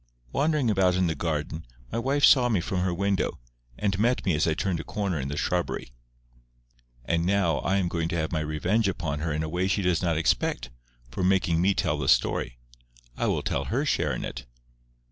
Wandering about in the garden, my wife saw me from her window, and met me as I turned a corner in the shrubbery. And now I am going to have my revenge upon her in a way she does not expect, for making me tell the story: I will tell her share in it.